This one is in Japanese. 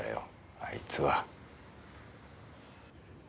あいつは。